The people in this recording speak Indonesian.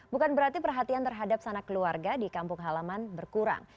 bukan berarti perhatian terhadap sana keluarga di kampung halaman berkurang